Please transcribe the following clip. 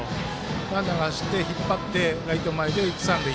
ランナーが走って引っ張ってライト前で一、三塁。